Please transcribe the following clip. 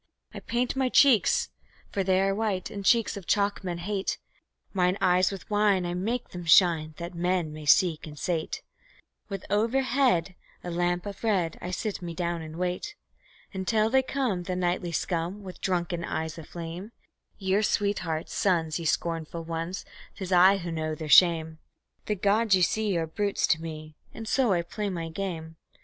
I paint my cheeks, for they are white, and cheeks of chalk men hate; Mine eyes with wine I make them shine, that man may seek and sate; With overhead a lamp of red I sit me down and wait Until they come, the nightly scum, with drunken eyes aflame; Your sweethearts, sons, ye scornful ones 'tis I who know their shame. The gods, ye see, are brutes to me and so I play my game.